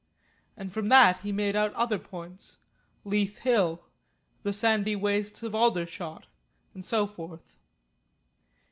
And from that he made out other points, Leith Hill, the sandy wastes of Aldershot, and so forth.